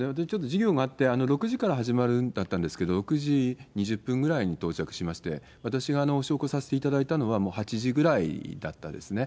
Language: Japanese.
授業があって、６時から始まるんだったんですけど、６時２０分ぐらいに到着しまして、私がお焼香させていただいたのは、もう８時ぐらいだったですね。